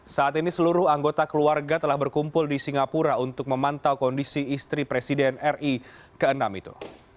saat ini seluruh anggota keluarga telah berkumpul di singapura untuk memantau kondisi istri presiden ri ke enam itu